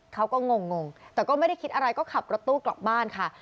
เขาก็งงแต่ก็ไม่ได้คิดอะไรก็ขับรถตู้กลับบ้านค่ะ